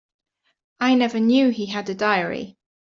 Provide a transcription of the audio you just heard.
I never knew he had a diary.